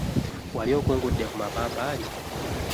Wali okungudde ku mapaapaali?